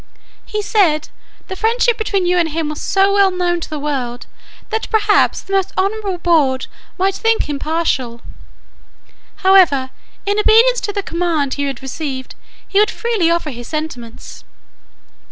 He said, the friendship between you and him was so well known to the world, that perhaps the most honourable board might think him partial; however, in obedience to the command he had received, he would freely offer his sentiments.